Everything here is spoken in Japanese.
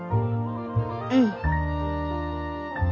うん。